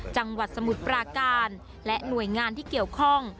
จังหวัดสมุทรปราการและหน่วยงานที่เกี่ยวข้อง